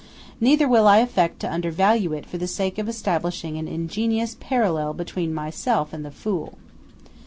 Neither will I affect to undervalue it for the sake of establishing an ingenious parallel between myself and the Fool.